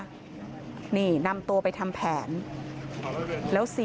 โชว์บ้านในพื้นที่เขารู้สึกยังไงกับเรื่องที่เกิดขึ้น